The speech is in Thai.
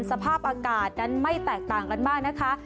สภาพอากาศนั้นไม่แตกต่างกันมากนะคะ